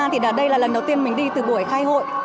thì đây là lần đầu tiên mình đi từ buổi khai hội